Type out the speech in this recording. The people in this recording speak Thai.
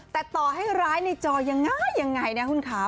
แต่ต่อให้ร้ายในจออย่างง่ายอย่างไรนะคุณคะ